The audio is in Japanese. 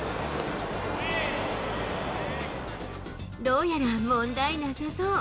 どうやら問題なさそう。